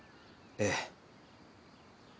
ええ。